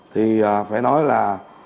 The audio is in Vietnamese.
thì phải nói là